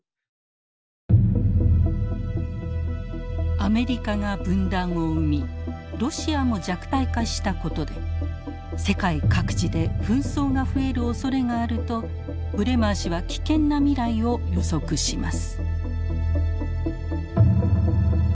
アメリカが分断を生みロシアも弱体化したことで世界各地で紛争が増えるおそれがあるとブレマー氏は危険な未来を予測します。